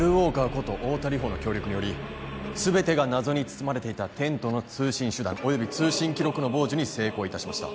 こと太田梨歩の協力により全てが謎に包まれていたテントの通信手段及び通信記録の傍受に成功いたしました